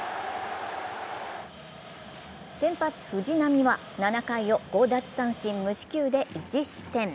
先発・藤波は７回を５奪三振・無四球で１失点。